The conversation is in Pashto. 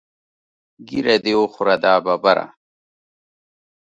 ږیره دې وخوره دا ببره.